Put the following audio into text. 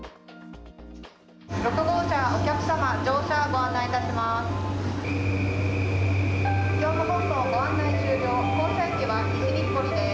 ６号車、お客様、乗車ご案内します。